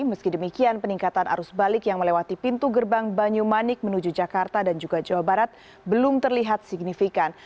meski demikian peningkatan arus balik yang melewati pintu gerbang banyumanik menuju jakarta dan juga jawa barat belum terlihat signifikan